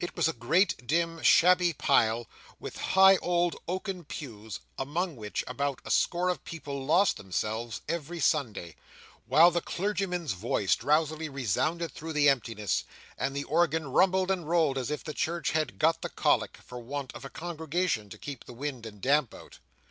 It was a great dim, shabby pile, with high old oaken pews, among which about a score of people lost themselves every Sunday; while the clergyman's voice drowsily resounded through the emptiness, and the organ rumbled and rolled as if the church had got the colic, for want of a congregation to keep the wind and damp out.